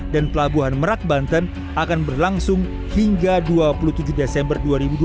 pelabuhan merak banten akan berlangsung hingga dua puluh tujuh desember dua ribu dua puluh